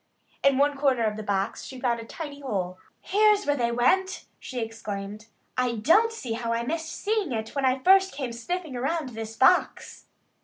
In one corner of the box she found a tiny hole. "Here's where they went!" she exclaimed. "I don't see how I missed seeing it when I first came sniffing around this box."